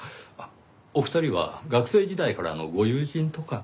お二人は学生時代からのご友人とか。